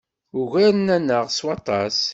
Ugaren-aneɣ s waṭas.